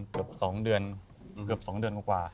เกือบ๒เดือนกว่า